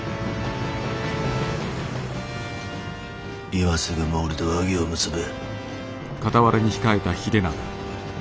今すぐ毛利と和議を結べ。